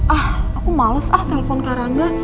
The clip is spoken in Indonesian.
ah aku males ah telfon kak rangga